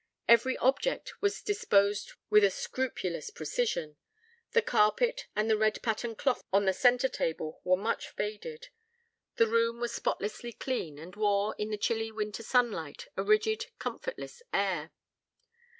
Every object was disposed with a scrupulous precision: the carpet and the red patterned cloth on the centre table were much faded. The room was spotlessly clean, and wore, in the chilly winter sunlight, a rigid, comfortless air.